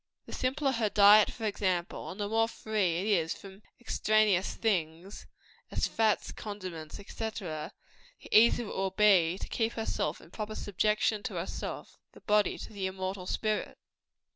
The simpler her diet, for example, and the more free it is from extraneous things as fat, condiments, &c. the easier will it be to keep herself in proper subjection to herself the body to the immortal spirit.